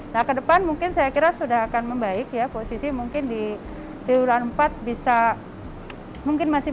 nah ke depan mungkin saya kirar sudah akan membaiki ya posisi mungkin di masa depan bisa mungkin masih